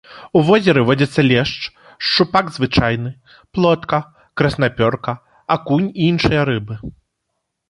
У возеры водзяцца лешч, шчупак звычайны, плотка, краснапёрка, акунь і іншыя рыбы.